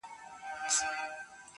o چا راوړي د پیسو وي ډک جېبونه,